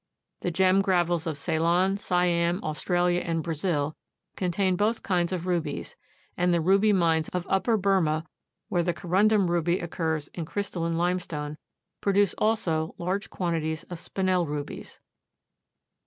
The gem gravels of Ceylon, Siam, Australia and Brazil contain both kinds of rubies, and the ruby mines of Upper Burmah, where the corundum ruby occurs in a crystalline limestone, produce also large quantities of Spinel rubies.